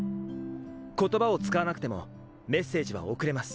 言葉を使わなくてもメッセージは送れます。